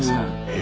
え？